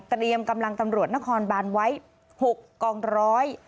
เตรียมกำลังตำรวจนครบานไว้๖กองร้อย